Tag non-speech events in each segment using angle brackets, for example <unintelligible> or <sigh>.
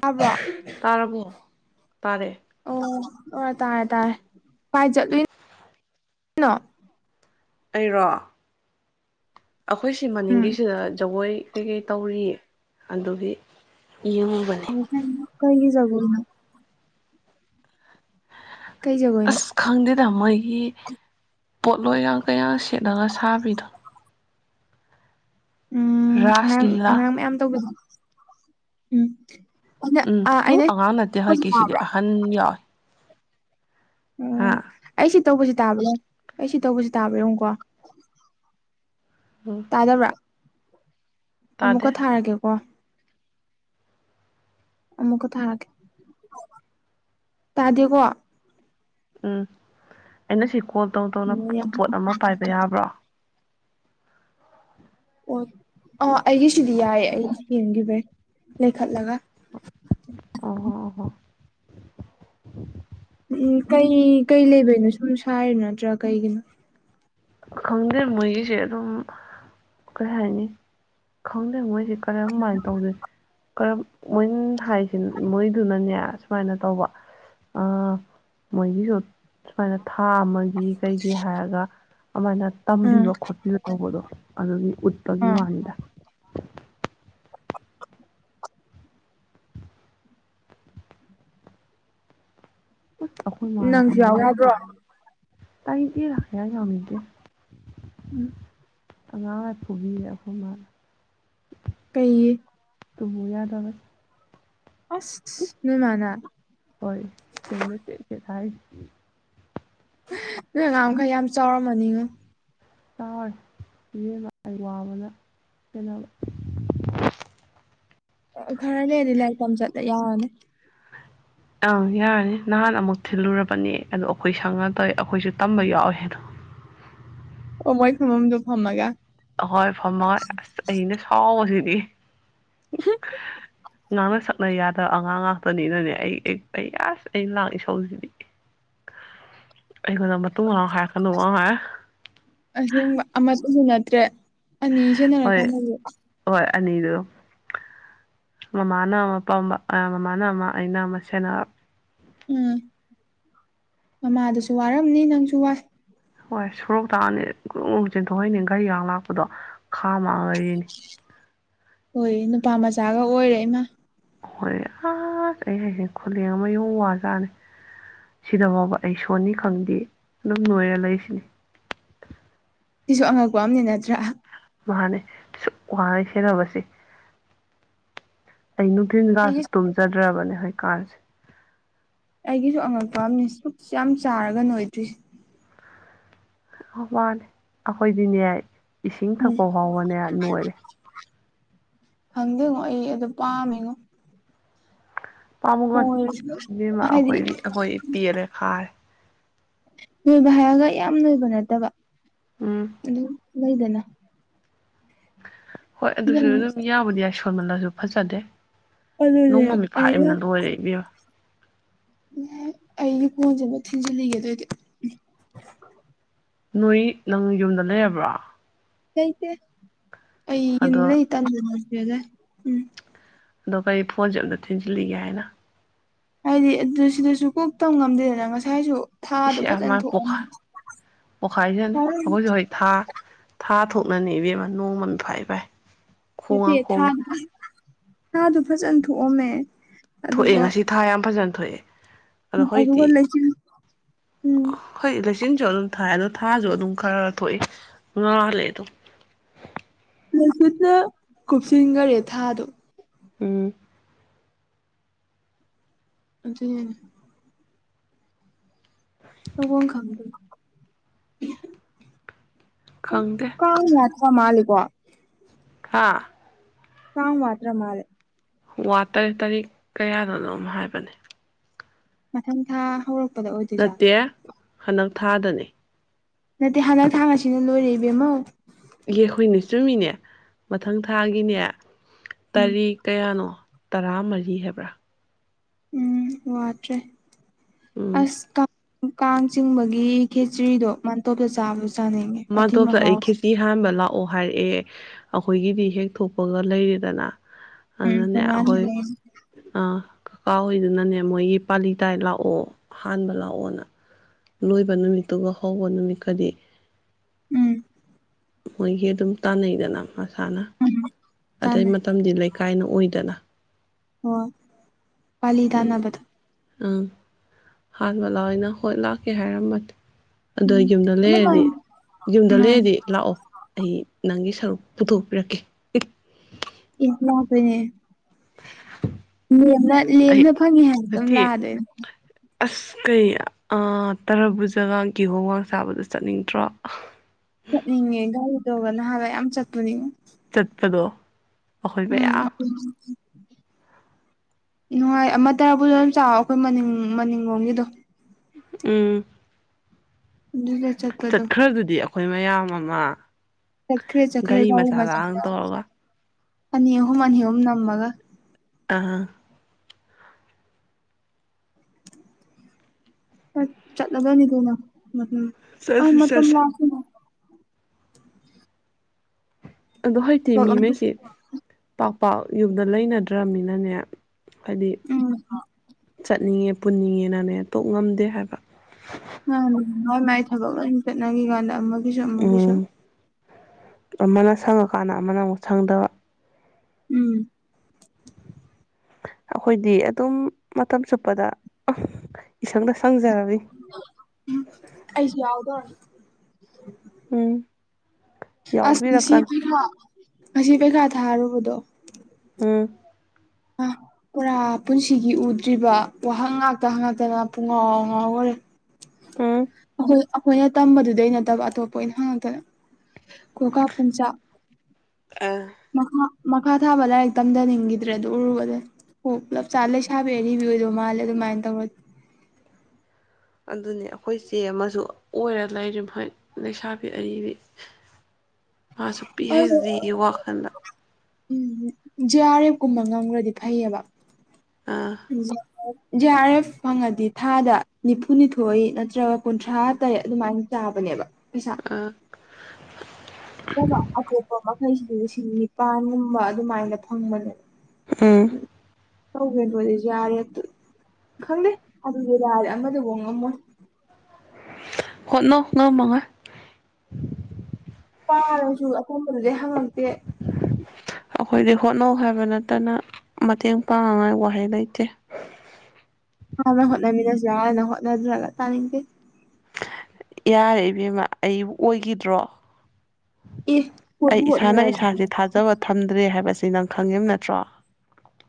ꯇꯥꯕꯔꯣ ꯇꯥꯔꯕꯣ ꯇꯥꯔꯦ ꯑꯣ ꯑꯣ ꯇꯥꯔꯦ ꯇꯥꯔꯦ ꯄꯥꯏ ꯆꯠꯂꯨꯏ ꯅꯣ ꯑꯩꯔꯣ ꯑꯩꯈꯣꯏ ꯁꯤ ꯎꯝ ꯃꯅꯤꯡꯒꯤꯁꯤꯗ ꯖꯒꯣꯏ ꯀꯩꯀꯩ ꯇꯧꯔꯤ ꯑꯗꯨꯒꯤ ꯌꯦꯡꯉꯨꯕꯅꯤ ꯀꯩꯒꯤꯖꯒ ꯀꯩ ꯖꯒꯣꯏꯅꯣ ꯑꯁ ꯈꯪꯗꯦꯗ ꯃꯣꯏꯒꯤ ꯄꯣꯠꯂꯣꯏꯒ ꯀꯩꯌꯥ ꯁꯦꯠꯂꯒ ꯁꯥꯕꯤꯗꯣꯏꯅ ꯎꯝ ꯔꯥꯁ ꯑꯉꯥꯡ ꯂꯤꯂꯥ ꯑꯉꯥꯡ ꯃꯌꯥꯝ ꯇꯧꯕꯗ ꯎꯝ ꯑꯩꯅ ꯎꯝ ꯑꯥ ꯎꯝ ꯑꯩꯅ ꯑꯉꯥꯎ ꯅꯠꯇꯦ ꯍ ꯍꯧꯖꯤꯛ ꯀꯦ ꯁꯤꯗꯤ ꯇꯥꯕ꯭ꯔꯥ ꯑꯍꯥꯟ ꯌꯥꯎꯋꯏ ꯍꯥꯥ ꯑꯩꯁꯤ ꯇꯧꯕꯁꯤ ꯇꯥꯕ ꯌꯥ ꯑꯩꯁꯤ ꯇꯧꯕꯁꯤ ꯇꯥꯕ ꯌꯥ ꯌꯦꯨꯀꯣ <unintelligible> ꯊꯥꯗꯕ꯭ꯔꯥ ꯇꯥꯗꯦ ꯑꯃꯨꯛꯀ ꯊꯥꯔꯒꯦꯀꯣ ꯑꯃꯨꯛꯀ ꯊꯥꯔꯛꯀꯦ ꯇꯥꯗꯦꯀꯣ ꯎꯝ ꯑꯩꯅ ꯁꯤ ꯀꯣꯜ ꯇꯧꯗꯧꯅ ꯄꯣꯠ ꯑꯃ ꯄꯥꯏꯕ ꯌꯥꯕ꯭ꯔꯣ ꯑꯣ ꯑꯥ ꯑꯩꯒꯤꯁꯤꯗꯤ ꯌꯥꯏꯌꯦ ꯑꯩꯒꯤ ꯌꯦꯡꯈꯤꯕ ꯂꯩꯈꯠꯂꯒ ꯑꯣ ꯑ ꯍꯣ ꯎꯝ ꯀꯩ ꯀꯩ ꯂꯩꯕꯅꯣ ꯁꯨꯝ ꯁꯥꯔꯤꯅꯣ ꯅꯠꯇ꯭ꯔꯥ ꯀꯩꯒꯤꯅꯣ ꯈꯪꯗꯦꯡ ꯃꯣꯏꯒꯤꯁꯦ ꯑꯗꯨꯝ ꯀꯩ ꯍꯥꯏꯅꯤ ꯈꯪꯗꯦꯡ ꯃꯣꯏꯁꯤ ꯀꯔꯝꯃꯥꯏꯅ ꯇꯧꯗꯣꯏꯁꯦ ꯀꯔꯝ ꯃꯣꯏ ꯍꯥꯏꯁꯤ ꯃꯣꯏꯗꯨꯅꯅꯦ ꯁꯨꯃꯥꯏꯅ ꯇꯧꯕ ꯃꯣꯏꯒꯤꯁꯨ ꯁꯨꯃꯥꯏꯅ ꯊꯥ ꯑꯃꯒꯤ ꯀꯩꯒꯤ ꯍꯥꯏꯔꯒ ꯑꯗꯨꯃꯥꯏꯅ ꯎꯝ ꯇꯝꯕꯤꯕ ꯈꯣꯠꯄꯤꯕ ꯇꯧꯕꯗꯣ ꯑꯗꯨꯒꯤ ꯎꯠꯄꯒꯤ ꯑꯥ ꯋꯥꯅꯤꯗ ꯄꯨꯠ ꯑꯩꯈꯣꯏ ꯃꯥꯜꯂꯦ ꯅꯪꯁꯨ ꯑꯉꯥꯡ ꯌꯥꯎ ꯌꯥꯕ꯭ꯔꯣ ꯂꯩꯣꯛ ꯇꯔ ꯊꯣꯉꯒꯦ ꯎꯝ ꯑꯉꯥꯡ ꯂ ꯄꯨꯕꯤꯔꯦ ꯑꯩꯈꯣꯏ ꯃꯥꯅ ꯀꯩꯒꯤ ꯇꯕꯨ ꯌꯥꯗ ꯑꯣꯏꯒꯦ ꯑꯁ ꯅꯣꯏ ꯃꯥꯅ ꯍꯣꯏ <unintelligible> ꯅꯣꯏ ꯑꯉꯥꯡꯈꯩ ꯌꯥꯝ ꯆꯥꯎꯔꯃꯅꯤꯅ ꯆꯥꯎꯔꯦ ꯏꯕꯦꯝꯃꯥ ꯑꯩ ꯋꯥꯕꯅ ꯀꯦꯅꯕ ꯈꯔ ꯂꯩꯔꯗꯤ ꯂꯥꯏꯔꯤꯛ ꯇꯝ ꯆꯠꯂ ꯌꯥꯔꯅꯤ ꯑꯪ ꯌꯥꯔꯅꯤ ꯅꯍꯥꯟ ꯑꯃꯨꯛ ꯊꯤꯜꯂꯨꯔꯕꯅꯤ ꯑꯗꯣ ꯑꯩꯈꯣꯏ ꯁꯪꯉ ꯇꯧꯋꯦ ꯑꯩꯈꯣꯏꯁꯨ ꯇꯝꯕ ꯌꯥꯎꯋꯦ ꯑꯗꯣ ꯑꯣ ꯃꯣꯏ ꯐꯝꯐꯝꯗꯣ ꯐꯝꯃꯒ ꯑꯍꯣꯏ ꯐꯝꯃꯣꯏ ꯑꯁ ꯑꯩꯅ ꯁꯥꯎꯕꯁꯤꯗꯤ <inaudible> ꯉꯥꯡꯅ ꯁꯛꯅ ꯌꯥꯗꯕ ꯑꯉꯥꯡ ꯉꯥꯛꯇꯅꯤꯅꯅꯦ ꯑꯩ ꯑꯩ ꯑꯁ ꯑ ꯂꯥꯡ ꯏꯁꯧꯁꯤꯗꯤ <inaudible> ꯑꯩꯉꯣꯟꯗ ꯃꯇꯨꯡ ꯃꯅꯥꯎ ꯍꯥꯏꯔꯀꯅꯨ ꯑ ꯍꯥꯏ ꯑꯃ ꯎꯕ ꯅꯠꯇ꯭ꯔꯦ ꯑꯅꯤ ꯍꯣꯏ ꯁꯤꯖꯤꯟꯅꯔꯀꯥꯟꯗꯗꯤ ꯍꯣꯏ ꯑꯅꯤꯗꯨ ꯃꯃꯥꯅ ꯑꯃ ꯄꯥꯝꯕ ꯃꯃꯥꯅ ꯑꯃ ꯑꯩꯅ ꯑꯃ ꯁꯦꯟꯅꯔ ꯎꯝ ꯃꯃꯥꯗꯁꯨ ꯋꯥꯔꯝꯅꯤ ꯅꯪꯁꯨ ꯋꯥ ꯍꯣꯏ ꯁꯣꯔꯣꯛ ꯇꯥꯛꯑꯅꯤ ꯆꯦꯟꯊꯣꯛꯍꯩꯅꯤ ꯘꯔꯤꯒ ꯂꯥꯛꯄꯗꯣ ꯈꯥꯝꯃ ꯂꯩꯔꯤꯅꯤ ꯍꯣꯏ ꯅꯨꯄꯥ ꯃꯆꯥꯒ ꯑꯣꯏꯔꯦ ꯏꯃꯥ ꯍꯣꯏ ꯑ ꯑꯩ ꯈꯨꯂꯦꯡ ꯑꯃ ꯌꯣꯡ ꯃꯥꯟꯖꯥꯠꯅꯤ ꯁꯤꯗꯐꯥꯎꯕ ꯑꯩ ꯁꯣꯟꯅꯤ ꯈꯪꯗꯦ ꯑꯗꯨꯝ ꯅꯣꯏꯔ ꯂꯩꯁꯤꯅꯤ ꯁꯤꯁꯨ ꯑꯉꯛꯄ ꯑꯝꯅꯦ ꯅꯠꯇ꯭ꯔꯥ ꯃꯥꯅꯦ ꯁꯨꯛ ꯋꯥꯅ ꯁꯦꯟꯅꯕꯁꯦ ꯑꯩ ꯅꯨꯡꯊꯤꯟꯀꯥꯁꯨ ꯑꯩꯒꯤ ꯇꯨꯝꯖꯗ꯭ꯔꯕꯅꯦ ꯍꯣꯏ ꯀꯥꯟꯁꯦ ꯑꯩꯒꯤꯁꯨ ꯑꯉꯛꯄ ꯑꯝꯅꯤ ꯄꯨꯛꯁ ꯌꯥꯝ ꯆꯥꯔꯒ ꯅꯣꯏꯗ꯭ꯔꯤꯁꯦ ꯃꯥꯅꯤ ꯑꯩꯈꯣꯏꯗꯤꯅꯦ ꯏꯁꯤꯡ ꯎꯝ ꯊꯛꯄ ꯐꯥꯎꯕꯅꯦ ꯅꯣꯏꯔꯦ ꯈꯪꯗꯦꯉꯣ ꯑꯩ ꯑꯗꯨ ꯄꯥꯝꯃꯦꯉꯣ ꯄꯥꯝꯃ ꯍꯥꯏꯗꯤ ꯑꯩꯈꯣꯏꯗꯤ ꯑꯩꯈꯣꯏ ꯄꯦꯜꯂꯦ ꯈꯥꯔꯦ ꯅꯣꯏꯕ ꯍꯥꯏꯔꯒ ꯌꯥꯝ ꯅꯣꯏꯕ ꯅꯠꯇꯕ ꯎꯝ ꯑꯗꯨꯝ ꯂꯩꯗꯅ ꯍꯣꯏ ꯑꯗꯨꯁꯨ ꯈꯤꯇꯪ ꯑꯗꯨꯝ ꯌꯥꯕꯨꯗꯤ ꯌꯥꯏ ꯁꯣꯟꯃꯜꯂꯁꯨ ꯐꯖꯗꯦ ꯑꯗꯨꯅꯦ ꯅꯣꯡꯃ ꯃꯤ ꯑꯩꯅ <inaudible> ꯏꯕꯦꯝꯃꯥ ꯑꯩꯒꯤ ꯐꯣꯟꯁꯦ ꯑꯃꯨ ꯊꯤꯟꯖꯤꯜꯂꯤꯒꯦ ꯑꯗꯨ ꯑꯣꯏꯗꯤ ꯅꯣꯏ ꯅꯪ ꯌꯨꯝꯗ ꯂꯩꯔꯕ꯭ꯔꯣ ꯂꯩꯇꯦ ꯑꯩ ꯌꯨꯝ ꯑꯗꯣ ꯂꯩ <inaudible> ꯎꯝ ꯑꯗꯣ ꯀꯔꯤ ꯐꯣꯟꯁꯦ ꯑꯝꯇ ꯊꯤꯟꯖꯤꯜꯂꯤꯒꯦ ꯍꯥꯏꯅ ꯍꯥꯏꯗꯤ ꯑꯗꯨ ꯁꯤꯗꯁꯨ ꯀꯣꯛꯇꯝ ꯉꯝꯗꯦꯗꯅ ꯉꯁꯥꯏꯁꯨ ꯏ ꯊꯥꯗꯣ ꯐꯖꯅ ꯃꯥꯅ ꯊꯣꯛꯑꯝꯃꯦ ꯄꯥꯏ ꯄꯣꯈꯥꯏꯁꯤꯅꯤ ꯑꯩꯈꯣꯏꯁꯨ ꯍꯣꯏ ꯊꯥ ꯊꯥ ꯊꯣꯛꯅꯅꯦ ꯏꯕꯦꯝꯃ ꯅꯣꯡꯃ ꯊ꯭ꯋꯥꯏꯕꯥꯏ ꯅꯠꯇꯦ ꯊꯥꯗ ꯊꯥꯗꯣ ꯐꯖꯅ ꯊꯣꯛꯑꯝꯃꯦ ꯊꯣꯛꯑꯦ ꯑꯗꯨꯒ ꯉꯁꯤ ꯊꯥ ꯌꯥꯝ ꯐꯖꯅ ꯊꯣꯛꯑꯦ ꯑꯗꯣ ꯑꯗꯨꯒ ꯈꯣꯢꯗꯤ ꯂꯩꯆꯤꯟ ꯎꯝ ꯍꯣꯏ ꯂꯩꯆꯤꯟꯁꯨ ꯑꯗꯨꯝ ꯊꯥꯏ ꯑꯗꯣ ꯊꯥꯁꯨ ꯑꯗꯨꯝ ꯈꯔ ꯊꯣꯛꯏ ꯑꯗꯨ ꯉ ꯃꯥꯥꯜꯂꯦ ꯑꯗꯣ ꯃꯁꯨꯠꯅ ꯀꯨꯞꯁꯤꯟꯈꯔꯦ ꯊꯥꯗꯣ ꯎꯝ ꯑꯗꯨꯒꯤꯅꯦ ꯇꯧꯕꯝ ꯈꯪꯗꯦ ꯑꯥ ꯈꯪꯗꯦ ꯀꯥꯡ ꯌꯥ ꯃꯥ ꯂꯦꯀꯣ ꯍꯥ ꯊꯥꯎꯝ ꯃꯥꯇ꯭ꯔ ꯃꯥꯔꯦ ꯋꯥꯇꯔꯦ ꯇꯔꯤꯛ ꯀꯌꯥꯗꯅꯣ ꯑꯃ ꯍꯥꯏꯕꯅꯦ ꯃꯊꯪ ꯊꯥ ꯍꯧꯔꯛ ꯅꯠꯇꯦ ꯍꯟꯗꯛ ꯊꯥꯗꯅꯤ ꯅꯠꯇꯦ ꯍꯟꯗꯛ ꯊꯥꯡ ꯑꯁꯤꯅ ꯂꯣꯏꯔꯛ ꯏꯕꯦꯝꯃꯧ ꯌꯦꯈꯣꯏꯅꯦ ꯆꯨꯝꯃꯤꯅꯦ ꯃꯊꯪ ꯊꯥꯒꯤꯅꯦ ꯎꯝ ꯇꯔꯤꯛ ꯀꯌꯥꯅꯣ ꯇꯔꯥ ꯃꯔꯤ ꯍꯥꯏꯕ꯭ꯔꯥ ꯎꯝ ꯋꯥꯗ꯭ꯔꯦ ꯎꯝ ꯑꯁ ꯀ ꯀꯥꯡ ꯆꯤꯡꯕꯒꯤ ꯈꯦꯆ꯭ꯔꯤꯗꯣ ꯃꯥꯟꯇꯣꯞꯇ ꯆꯥꯕꯁꯨ ꯃꯥ ꯇꯗ ꯑꯩꯈꯈꯤꯁꯤ ꯏꯍꯥꯟꯕ ꯂꯥꯛꯑꯣ ꯍꯥꯏꯔꯛꯑꯦ ꯑꯩꯈꯣꯏꯒꯤꯗꯤ ꯍꯦꯛ ꯊꯣꯛꯄꯒ ꯂꯩꯔꯦꯗꯅ ꯎꯝ ꯑꯗꯨꯅ ꯇꯣꯉꯥꯟꯅ ꯑꯩꯈꯣꯏ ꯂꯩ ꯑꯥ ꯀꯀꯥ ꯍꯣꯏꯗꯨꯅꯅꯦ ꯃꯣꯏꯒꯤ ꯄꯥꯂꯤ ꯇꯥꯏ ꯂꯥꯛꯑꯣ ꯑꯍꯥꯟꯕ ꯂꯥꯛꯑꯣꯅ ꯂꯣꯏꯕ ꯅꯨꯃꯤꯠꯇꯨꯒ ꯍꯧꯕ ꯅꯨꯃꯤꯠꯀꯗꯤ ꯎꯝ ꯃꯣꯏꯒꯤ ꯑꯗꯨꯝ ꯇꯥꯟꯅꯩꯗꯅ ꯃꯁꯥꯅ ꯑꯗꯩ ꯇꯥꯟꯅꯩ ꯃꯇꯝꯗꯤ ꯂꯩꯀꯥꯏꯅ ꯑꯣꯏꯗꯅ ꯑꯣ ꯀꯂꯤꯗꯥ ꯅꯅꯕꯗ ꯑꯪ ꯍꯥꯟꯕ ꯂꯥꯛꯑꯣꯅ ꯍꯣꯏ ꯂꯥꯛꯀꯦ ꯍꯥꯏꯔꯃꯗꯤ ꯑꯗ ꯎꯝ ꯌꯨꯝꯗ ꯂꯩꯔꯗꯤ ꯑꯗꯨꯃꯥꯏꯅ ꯌꯨꯝꯗ ꯃꯥꯅꯦ ꯂꯩꯔꯗꯤ ꯂꯥꯛꯑꯣ ꯑꯩ ꯅꯪꯒꯤ ꯁꯔꯨꯛ ꯄꯨꯊꯣꯛꯄꯤꯔꯛꯀꯦ ꯏꯂꯁꯦ ꯂꯦꯝꯅ ꯑꯩ ꯂꯦꯝꯅ ꯐꯪꯉꯤ ꯍꯥꯏꯅ ꯑꯗꯨꯝ ꯅꯠꯇꯦ ꯂꯥꯛꯑꯗꯣꯏꯅꯦ ꯑꯁ ꯀꯩ ꯇꯔꯥꯕꯨ ꯖꯒꯒꯤꯤꯍꯨꯋꯥꯡ ꯁꯥꯕꯗ ꯆꯠꯅꯤꯡꯗ꯭ꯔꯣ ꯆꯠꯅꯤꯡꯉꯦ ꯒꯥꯔꯤꯗꯣꯒ ꯅꯍꯥꯟꯋꯥ ꯌꯥꯝ ꯆꯠꯄꯅꯦ ꯆꯠꯄꯗꯣ ꯑꯩꯈꯣꯏ ꯎꯝ ꯃꯌꯥꯝ ꯅꯨꯡꯉꯥꯏ ꯑꯃ ꯇꯔꯕꯨꯁꯨ ꯑꯗꯨꯝ ꯆꯥꯎ ꯑꯩꯈꯣꯏ ꯃꯅꯤꯡ ꯃꯅꯤꯡꯂꯣꯝꯒꯤꯗꯣ ꯎꯝ ꯑꯗꯨ ꯆꯠ ꯆꯠꯈ꯭ꯔꯗꯨꯗꯤ ꯑꯩꯈꯣꯏ ꯃꯌꯥꯝ ꯑꯃ ꯆꯠꯈ꯭ꯔꯦ ꯆꯠꯈ꯭ꯔꯦ ꯒꯥꯔꯤ ꯆ ꯃꯆꯥꯗꯒ ꯇꯧꯔꯒ ꯑꯅꯤ ꯑꯍꯨꯝ ꯑꯅꯤ ꯍꯌꯨꯝ ꯅꯝꯃꯒ ꯑ ꯆꯠꯂꯒꯅꯤ ꯑꯗꯨꯅ ꯑ ꯆꯠꯁꯤ ꯃꯇꯝ ꯆꯠꯁꯤ ꯂꯥꯛꯁꯤꯅ ꯑꯗꯣ ꯍꯧꯖꯤꯛꯇꯤ ꯊꯕꯛ ꯑꯝꯇ ꯃꯤꯉꯩꯁꯤꯦ ꯄꯥꯛꯄꯥꯛꯥꯛ ꯌꯨꯝꯗ ꯂꯩꯅꯗ꯭ꯔꯅꯤꯅꯅꯦ ꯍꯥꯏꯗꯤ ꯎꯝ ꯆꯠꯅꯤꯡꯉꯦ ꯄꯨꯟꯅꯤꯡꯉꯦꯅꯅꯦ ꯇꯣꯛ ꯉꯝꯗꯦ ꯍꯥꯏꯕ ꯃꯥ ꯃꯥꯏ ꯃꯥꯏ ꯊꯕꯛ ꯂꯣꯏ ꯆꯠꯅꯈꯤ ꯀꯥꯟꯗ ꯑꯃ ꯎꯝ ꯑꯃꯅ ꯁꯪꯉꯀꯥꯟꯗ ꯑꯃꯅ ꯑꯃꯨꯛ ꯁꯪꯗꯕ ꯎꯝ ꯑꯩꯈꯣꯏꯗꯤ ꯑꯗꯨꯝ ꯃꯇꯝ ꯆꯨꯞꯄꯗ ꯏꯁꯪꯗ ꯁꯪꯖꯔꯅꯤ ꯑꯩꯁꯨ ꯌꯥꯎꯗꯣ ꯎꯝ ꯑꯁ ꯉꯁꯤ ꯌꯥꯎꯕꯤꯔꯛꯀꯅꯨ ꯄꯔꯤꯈꯥ ꯑꯁꯤ ꯄꯩꯈꯥ ꯊꯥꯔꯨꯕꯗꯣ ꯎꯝ ꯑ ꯄꯨꯔꯥ ꯄꯨꯟꯁꯤꯒꯤ ꯎꯗ꯭ꯔꯤꯕ ꯋꯥꯍꯪ ꯉꯥꯛꯇ ꯉꯥꯛꯇꯅ ꯄꯨꯡꯉꯥꯎ ꯉꯥꯎꯈꯔꯦ ꯎꯝ ꯑꯩꯈꯣꯏ ꯑꯩꯈꯣꯏꯅ ꯇꯝꯕꯗꯨꯗꯩ ꯅꯠꯇꯕ ꯑꯇꯣꯞꯄ ꯑꯣꯏꯅ ꯍꯪꯉꯛꯇꯅ ꯀꯀꯥ ꯄꯨꯝꯆꯥ ꯑꯦ ꯃꯈꯥ ꯃꯈꯥ ꯊꯥꯕ ꯂꯥꯏꯔꯤꯛ ꯇꯝꯊꯅꯤꯡꯈꯤꯗ ꯅꯠꯇ꯭ꯔꯦ ꯑꯗꯨꯣ ꯎꯔꯨꯕꯗ ꯍꯣ ꯄꯨꯂꯞ ꯆꯥ ꯂꯩꯁꯥꯕꯤ ꯑꯔꯤꯕ ꯑꯣꯏꯗꯣ ꯃꯥꯜꯂꯦ ꯑꯗꯨꯃꯥꯏꯅ ꯇꯧꯔ ꯑꯗꯨꯅꯤ ꯑꯩꯈꯣꯏ ꯏꯆꯦ ꯑꯃꯁꯨ ꯑꯣꯏꯔ ꯂꯩꯔꯤ ꯃꯈꯣꯏ ꯂꯩꯁꯥꯕꯤ ꯑꯔꯤꯕꯤ <unintelligible> ꯃꯥꯁꯨ ꯄꯤ ꯑꯗꯨ ꯍꯩꯆ ꯗꯤꯒꯤ ꯋꯥꯈꯜꯗ ꯎꯝ ꯖꯦ ꯑꯥꯔ ꯑꯦꯐ ꯀꯨꯝꯕ ꯉꯪꯈ꯭ꯔꯗꯤ ꯐꯩꯌꯦꯕ ꯑꯥ ꯎꯝ ꯖꯦ ꯑꯥꯔ ꯑꯦꯐ ꯐꯪꯉꯗꯤ ꯊꯥꯗ ꯅꯤꯐꯨꯅꯤꯊꯣꯏ ꯅꯠꯇ꯭ꯔꯒ ꯀꯨꯟꯊ꯭ꯔꯥ ꯇꯔꯦꯠ ꯑꯗꯨꯃꯥꯏꯅ ꯆꯥꯕꯅꯦꯕ ꯄꯩꯁꯥ ꯑꯥ ꯅꯠꯇꯕ ꯑꯇꯣꯞꯄ ꯃꯈꯩꯁꯤꯗꯤ ꯂꯤꯁꯤꯡ ꯅꯤꯄꯥꯟꯒꯨꯝꯕ ꯑꯗꯨꯃꯥꯏꯅ ꯐꯪꯕꯅꯦꯅ ꯎꯝ ꯇꯧꯒꯦ ꯇꯧꯔꯗꯤ ꯖꯤ ꯑꯥꯔ ꯑꯦꯐ ꯇꯨ ꯈꯪꯗꯦ ꯑꯗꯨꯗꯤ ꯂꯥꯏꯔꯗ ꯑꯃꯗꯨ ꯉꯝꯃꯣꯏ ꯍꯣꯠꯅꯧ ꯉꯃꯉꯥꯏ ꯄꯥꯔꯁꯨ ꯑꯀꯣꯕꯗꯨꯗꯤ ꯍꯪꯉꯛꯇꯦ ꯑꯩꯈꯣꯏꯗꯤ ꯍꯣꯠꯅꯧ ꯍꯥꯏꯕ ꯅꯠꯇꯅ ꯃꯇꯦꯡ ꯄꯥꯡꯅꯉꯥꯏ ꯋꯥꯍꯩ ꯂꯩꯇꯦ ꯍꯥꯟꯅ ꯍꯣꯠꯅꯃꯤꯟꯅꯁꯨ ꯌꯥꯔꯦꯅ ꯍꯣꯠꯅꯗ꯭ꯔꯒ ꯇꯥꯅꯤꯡꯗꯦ ꯌꯥꯔꯦ ꯏꯕꯦꯝꯃ ꯑꯩꯕꯨ ꯑꯣꯏꯈꯤꯗ꯭ꯔꯣ ꯑꯦ ꯑꯩ ꯍꯣꯠꯄꯨ ꯏꯁꯥꯅ ꯍꯣꯠꯅꯔꯗꯤ ꯏꯁꯥꯥꯁꯦ ꯊꯥꯖꯕ ꯊꯝꯗ꯭ꯔꯦ ꯍꯥꯏꯕꯁꯤ ꯅꯪ ꯈꯪꯉꯤꯕ ꯅꯠꯇ꯭ꯔꯣ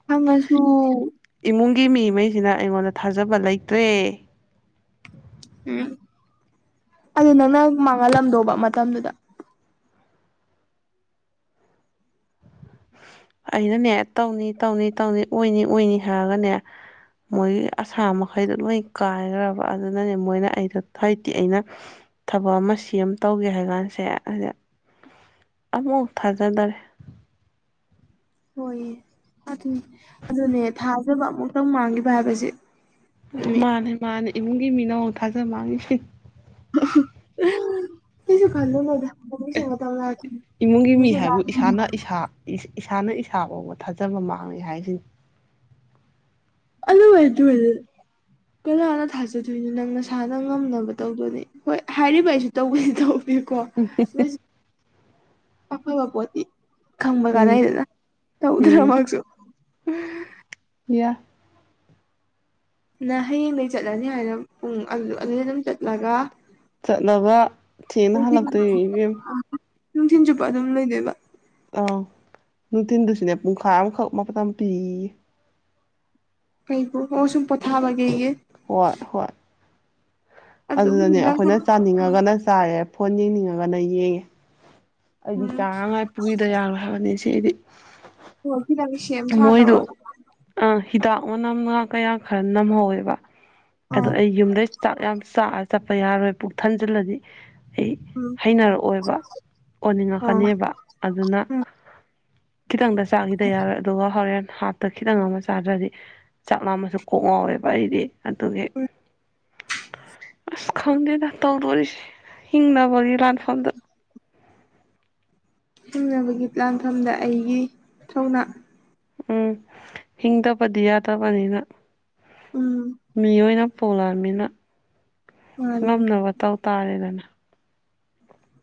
ꯐꯪꯉꯁꯨ ꯏꯃꯨꯡꯒꯤ ꯃꯤꯉꯩꯁꯤꯅ ꯑꯩꯉꯣꯟꯗ ꯊꯥꯖꯕ ꯂꯩꯇ꯭ꯔꯦ ꯎꯝ ꯑꯗꯨ ꯅꯪꯅ ꯃꯥꯡꯍꯜꯂꯝꯗꯧꯕ ꯃꯇꯝꯗꯨꯗ ꯑꯩꯅꯅꯦ ꯇꯧꯅꯤ ꯇꯧꯅꯤ ꯇꯧꯅꯤ ꯑꯣꯏꯅꯤ ꯑꯣꯏꯅꯤ ꯍꯥꯏꯔꯒꯅꯦ ꯃꯣꯏꯒꯤ ꯑꯁꯥ ꯃꯈꯩꯗꯣ ꯂꯣꯏ ꯀꯥꯏꯈ꯭ꯔꯕ ꯑꯗꯨꯅꯅꯦ ꯃꯣꯏꯅ ꯑꯩꯗ ꯊꯣꯏꯗꯤ ꯑꯩꯅ ꯊꯕꯛ ꯑꯃ ꯁꯦꯝ ꯑꯃ ꯇꯧꯒꯦ ꯍꯥꯏ ꯀꯥꯟꯁꯦ ꯑꯃꯨꯐꯥꯎ ꯊꯥꯖꯗꯔꯦ ꯍꯣꯏꯌꯦ ꯐꯗꯤ ꯑꯗꯨꯅꯦ ꯊꯥꯖꯕ ꯑꯃꯨꯛꯇꯪ ꯃꯥꯡꯈꯤꯕ ꯍꯥꯏꯕꯁꯦ ꯃꯥꯅꯦ ꯃꯥꯅꯦ ꯏꯃꯨꯡꯒꯤ ꯃꯤꯅ ꯊꯥꯖꯕ ꯃꯥꯡꯉꯤꯁꯤ <unintelligible> ꯀꯩꯁꯨ ꯈꯜꯂꯨꯅꯨꯗ ꯃꯣꯏꯒꯤꯁꯨ ꯃꯇꯝ ꯂꯥꯛꯈꯤꯅꯤ ꯏꯃꯨꯡꯒꯤ ꯃꯤ ꯍꯥꯏꯕꯨ ꯏꯁꯥꯅ ꯏꯁꯥ ꯏꯁꯥꯅ ꯏꯁꯥ ꯐꯥꯎꯕ ꯊꯥꯖꯕ ꯃꯥꯡꯉꯦ ꯍꯥꯏꯁꯤꯅꯤ ꯑꯗꯨꯃꯥꯏ ꯀꯅꯥꯅ ꯊꯥꯖꯗꯣꯏꯅꯣ ꯅꯪ ꯅꯁꯥꯅ ꯉꯝꯅꯕ ꯇꯧꯗꯣꯏꯅꯦ ꯍꯣꯏ ꯍꯥꯏꯔꯤꯕ ꯑꯩꯁꯨ ꯇꯧꯕꯁꯤ ꯇꯧꯕꯤꯌꯨ ꯀꯣ ꯅ ꯑꯐꯕ ꯄꯣꯠꯇꯤ ꯎꯝ ꯈꯝꯕꯒꯅꯥꯏꯗꯅ ꯇꯧꯗ꯭ꯔ ꯎꯝ ꯃꯛꯁꯨ ꯌꯥ ꯅ ꯍꯌꯦꯡꯗꯒꯤ ꯆꯠꯂꯅꯤ ꯍꯥꯏꯅ ꯄꯨꯡ ꯑꯗꯨꯗ ꯑꯗꯨꯝ ꯆꯠꯂꯒ ꯆꯠꯂꯒ ꯊꯦꯡꯅ ꯅꯨꯡꯊꯤꯟ ꯍꯜꯂꯛꯇ ꯏꯕꯦꯝ ꯅꯨꯡꯊꯤꯟ ꯆꯨꯞꯄ ꯑꯗꯨꯝ ꯂꯩꯗꯣꯏꯕ ꯑꯥ ꯅꯨꯡꯊꯤꯟꯗꯨꯁꯨꯅꯦ ꯄꯨꯡꯈꯥꯏ ꯑꯃꯈꯛ ꯃꯥꯇꯝ ꯄꯤꯌꯦ ꯀꯩꯕꯨ ꯑꯣ ꯁꯨꯝ ꯄꯣꯊꯥꯕꯒꯦꯍ ꯍꯣꯏ ꯍꯣꯏ ꯑꯗꯨꯗꯅꯦ ꯑꯗꯨꯕꯨꯗꯤ ꯅꯪ ꯑꯩꯈꯣꯏꯅ ꯆꯥꯅꯤꯡꯉꯒꯅ ꯆꯥꯏꯔꯦ ꯐꯣꯟ ꯌꯦꯡꯅꯤꯡꯉꯒꯅ ꯌꯦꯡꯉꯦ ꯑꯩꯗꯤ ꯎꯝ ꯆꯥꯅꯉꯥꯏ ꯄꯨꯏꯗ ꯌꯥꯔꯣꯏ ꯍꯥꯏꯕꯅꯤ ꯁꯤ ꯑꯩꯗꯤ ꯑꯣ ꯈꯤꯗꯪꯒꯤ ꯁꯦꯝ ꯁꯥ ꯇꯧꯔꯒ ꯑ ꯍꯤꯗꯥꯛ ꯃꯅꯝ ꯉ ꯀꯌꯥ ꯈꯔ ꯅꯝꯍꯧꯋꯦꯕ ꯑꯗꯣ ꯑꯥ ꯑꯩ ꯌꯨꯝꯗꯩ ꯆꯥꯛ ꯌꯥꯝ ꯆꯥꯔ ꯆꯠꯄ ꯌꯥꯔꯣꯏ ꯄꯨꯛ ꯊꯟꯖꯤꯜꯂꯗꯤ ꯑꯩ ꯎꯝ ꯍꯩꯅꯔꯛꯑꯣꯏꯕ ꯑꯥ ꯑꯣꯏꯅꯤꯡꯉꯛꯀꯅꯦꯕ ꯑꯗꯨꯅ ꯎꯝ ꯈꯤꯇꯪꯗ ꯆꯥꯈꯤꯗ ꯌꯥꯔ ꯑꯗꯨꯒ ꯍꯣꯔꯦꯟ ꯍꯥꯞꯇ ꯈꯤꯇꯪ ꯑꯃ ꯆꯥꯗ꯭ꯔꯗꯤ ꯆꯥꯛ ꯂꯥꯃꯁꯨ ꯀꯣꯛ ꯉꯥꯎꯋꯦꯕ ꯑꯩꯗꯤ ꯑꯗꯨꯒꯤ ꯑꯁ ꯈꯪꯗꯦꯗ ꯇꯧꯗꯣꯔꯤꯁꯦ ꯍꯤꯡꯅꯕꯒꯤ ꯂꯥꯟꯐꯝꯗ ꯍꯤꯡꯅꯕꯒꯤ ꯂꯥꯟꯐꯝꯗ ꯑꯩꯒꯤ ꯊꯧꯅꯥ ꯎꯝ ꯍꯤꯡꯗꯕꯗꯤ ꯌꯥꯗꯕꯅꯤꯅ ꯎꯝ ꯃꯤ ꯑꯣꯏꯅ ꯄꯨꯣꯂꯑꯃꯤꯅ ꯃꯥꯅꯦ ꯉꯝꯅꯕ ꯇꯧ ꯇꯥꯔꯦꯗꯅ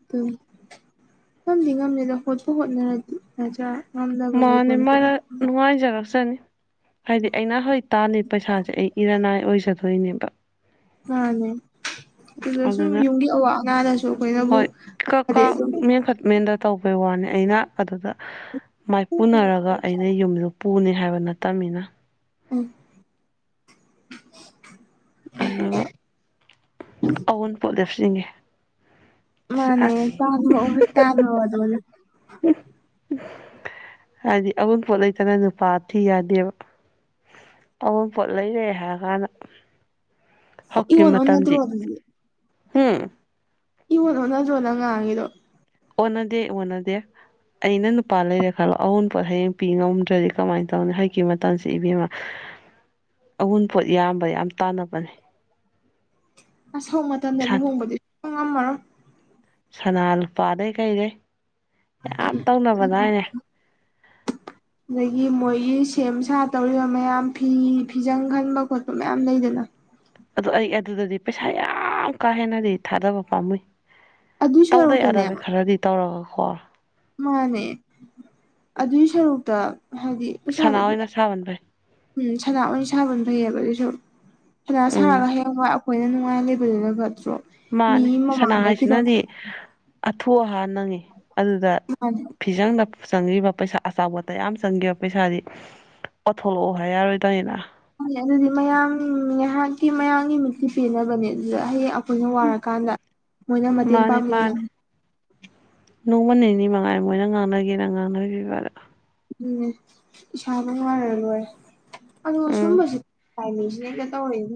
ꯑꯗꯨ ꯉꯝꯗꯤ ꯉꯝꯂꯗ ꯍꯣꯠꯄ ꯍꯣꯠꯅꯔꯗꯤ ꯃꯆꯥ ꯑ ꯃꯥꯅꯦ ꯃꯥ ꯅꯅꯨꯡꯉꯥꯏꯖꯒꯥꯁꯅꯤ ꯍꯥꯏꯗꯤ ꯑꯩꯅ ꯍꯧꯖꯤ ꯇꯥꯜꯂꯤ ꯄꯩꯁꯥꯁꯦ ꯑꯩ ꯏꯔꯅꯥꯏ ꯑꯣꯏꯖꯗꯣꯏꯅꯦꯕ ꯃꯥꯅꯦ ꯑꯗꯨꯗ ꯁꯨꯝ ꯑꯗꯨꯅ ꯌꯨꯝꯒꯤ ꯑꯋꯥ ꯑ ꯉꯗꯁꯨ ꯍꯣꯏ ꯀ ꯀꯥ ꯃ ꯃꯗ ꯇꯧꯕꯩ ꯋꯥꯅꯤ ꯑꯩꯅ ꯑꯗꯨꯗ ꯃꯥꯏꯄꯨꯅꯔꯒ ꯑꯩꯅ ꯌꯨꯝꯗ ꯄꯨꯅꯤ ꯍꯥꯏꯕ ꯅꯠꯇꯕꯅꯤꯅ ꯎꯝ ꯑꯗꯨꯒ ꯑꯋꯣꯟꯄꯣꯠ ꯂꯦꯞꯆꯟꯒꯦ ꯃꯥꯅꯦ ꯇꯥ ꯇꯥꯔꯗꯅ ꯍꯥꯏꯗꯤ ꯑꯎꯟꯄꯣꯠ ꯂꯩꯇꯅ ꯅꯨꯄꯥ ꯊꯤ ꯌꯥꯗꯦꯕ ꯑ ꯄꯣꯠ ꯂꯩꯔꯦ ꯍꯥꯏꯔ ꯀꯥꯟꯗ ꯍꯧꯀꯤ ꯏꯑꯣꯟ ꯑꯣꯟꯅꯗ꯭ꯔꯣ ꯃꯇꯝꯁꯤ ꯑꯗꯨꯗꯤ ꯎꯝ ꯏꯉꯣꯟꯣ ꯅꯖ꯭ꯔꯣꯅ ꯉꯥꯡꯉꯤꯗꯣ ꯑꯣꯗꯤ ꯑꯣꯗ ꯑꯩꯅ ꯅꯨꯄꯥ ꯂꯩꯔꯦ ꯈꯜꯂꯣ ꯑꯎꯟ ꯄꯣꯠ ꯍꯌꯦꯡ ꯄꯤ ꯉꯝꯗ꯭ꯔꯗꯤ ꯀꯃꯥꯏꯅ ꯇꯧꯅꯤ ꯍꯥꯏꯛꯀꯤ ꯃꯇꯝꯁꯤ ꯏꯕꯦꯝꯃ <unintelligible> ꯑꯎꯨꯟꯄꯣꯠ ꯌꯥꯝꯕ ꯌꯥꯝ ꯇꯥꯟꯅꯕꯅꯦ ꯑꯁꯧ ꯃꯇꯝꯗ ꯁꯟ ꯂꯨꯍꯣꯡꯕꯗꯤꯉꯝꯃꯝ ꯁꯅꯥ ꯂꯨꯄꯥꯗꯩ ꯀꯩꯗꯩ ꯌꯥꯝ ꯇꯧꯅꯕꯅ ꯍꯥꯏꯅꯦ ꯑꯗꯒꯤ ꯃꯣꯏꯒꯤ ꯁꯦꯝ ꯁꯥ ꯇꯧꯔꯤꯕ ꯃꯌꯥꯝ ꯐꯤ ꯐꯤꯖꯪ ꯈꯟꯕ ꯈꯣꯠꯄ ꯃꯌꯥꯝ ꯂꯩꯗꯅ ꯑꯗꯣ ꯑꯩ ꯑꯗꯨꯗꯗꯤ ꯄꯩꯁꯥ ꯌꯥꯝ ꯀꯥ ꯍꯦꯟꯅꯗꯤ ꯊꯥꯗꯕ ꯄꯥꯝꯃꯨꯏ ꯑꯗꯨꯏ ꯇꯧꯗ ꯁꯔꯨꯛꯇꯅꯦ ꯌꯥꯗꯕꯩ ꯈꯔꯗꯤ ꯇꯧꯔꯒ ꯈꯣꯔ ꯃꯥꯅꯦ ꯑꯗꯨꯒꯤ ꯁꯔꯨꯛꯇ ꯍꯥꯏꯗꯤ ꯄꯩꯁꯥꯗ ꯁꯅꯥ ꯑꯗꯨ ꯑꯣꯏꯅ ꯁꯥꯕꯅ ꯐꯩ ꯎꯝ ꯁꯅꯥ ꯑꯣꯏꯅ ꯁꯥꯕꯅ ꯐꯩꯑꯕ ꯑꯗꯨꯏꯁꯨ ꯁꯅꯥ ꯁꯥꯔꯒ ꯎꯝ ꯍꯌꯦꯡꯋꯥꯏ ꯍꯈꯣꯏꯅ ꯅꯨꯡꯉꯥꯏ ꯂꯩꯕꯗꯨꯅ ꯐꯠꯇ꯭ꯔꯣ ꯃꯥꯅꯦ ꯃꯤ ꯁꯅꯥ ꯃꯃꯥꯡꯗ ꯈꯤꯇꯪ ꯍꯥꯏꯁꯤꯅꯗꯤ ꯑꯊꯨ ꯑꯍꯥꯟ ꯅꯪꯉꯤ ꯑꯗꯨꯗ ꯃꯥꯅꯦ ꯐꯤꯖꯪꯗ ꯆꯪꯤꯕ ꯄꯩꯁꯥ ꯑꯆꯥꯎꯕꯇꯌꯥꯝ ꯆꯪꯈꯤꯕ ꯄꯩꯁꯥꯗꯤ ꯀꯊꯂꯛꯑꯣ ꯍꯥꯏ ꯌꯥꯔꯣꯏꯗꯅꯤꯅ ꯅꯦ ꯑꯗꯨꯗꯤ ꯃꯌꯥꯝ ꯉꯥꯏꯍꯥꯛꯀꯤ ꯃꯌꯥꯝꯒꯤ ꯃꯤꯠꯇꯤ ꯄꯦꯅꯕꯅꯦ ꯑꯗꯨꯗ ꯍꯌꯦꯡ ꯑꯩꯈꯣꯏꯅ ꯋꯥꯔꯀꯥꯟꯗ ꯃꯣꯏꯅ ꯃꯇꯦꯡ ꯃꯥꯅꯦ ꯄꯥꯡꯕꯤꯅꯤ ꯃꯥꯅꯦ ꯅꯣꯡꯃ ꯅꯤꯅꯤ ꯃꯉꯥꯏ ꯃꯣꯏꯅ ꯉꯥꯡꯅꯒꯦꯅ ꯉꯥꯡꯅꯈꯤꯕ ꯑꯗꯣ ꯎꯝ ꯏꯁꯥꯕꯨ ꯋꯥꯔꯔꯣꯏ ꯑ ꯎꯝ ꯁꯨꯝꯕꯁꯤꯅꯦꯅ ꯇꯧꯔꯤꯅꯦ